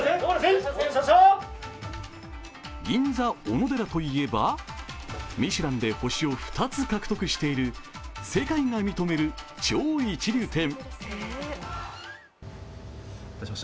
銀座おのでらといえば、ミシュランで星を２つ獲得している世界が認める超一流店。